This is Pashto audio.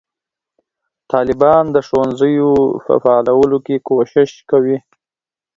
طالبان د ښوونځیو په فعالولو کې کوښښ کوي.